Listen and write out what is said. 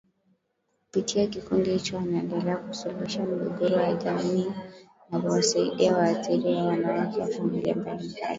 Kupitia kikundi hicho anaendelea kusuluhisha migogoro ya jamii na kuwasaidia waathirika wanawake na familia mbalimbali